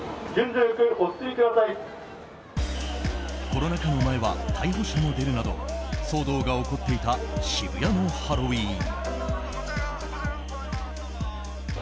コロナ禍の前は逮捕者も出るなど騒動が起こっていた渋谷のハロウィーン。